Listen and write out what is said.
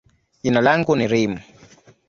jina langu ni Reem.